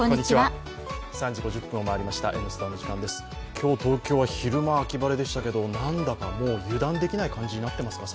今日、東京は昼間秋晴れでしたけど、なんだかもう油断できない感じですね。